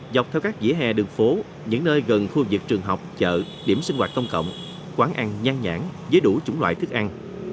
dọc theo các dĩa hè đường phố những nơi gần khuôn diệt trường học chợ điểm sinh hoạt công cộng quán ăn nhanh nhãn với đủ chủng loại thức ăn